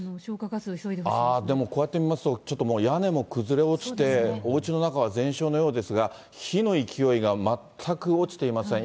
でも、こうやって見ますと、ちょっと屋根も崩れ落ちて、おうちの中は全焼のようですが、火の勢いが全く落ちていません。